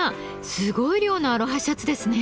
すごい量のアロハシャツですね。